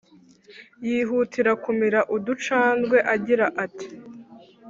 yihutira kumira uducandwe agira ati